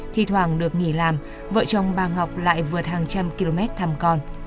thi thoảng được nghỉ làm vợ chồng bà ngọc lại vượt hàng trăm km thăm con